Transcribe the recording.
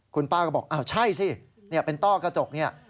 คุณป้าก็บอกอ้าวใช่สิเป็นต้อกระจกเนี่ย